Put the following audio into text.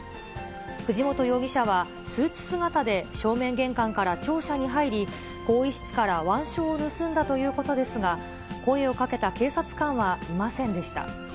藤本容疑者はスーツ姿で正面玄関から庁舎に入り、更衣室から腕章を盗んだということですが、声をかけた警察官はいませんでした。